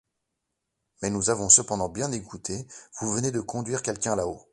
Mais nous avons cependant bien écouté, vous venez de conduire quelqu’un là-haut...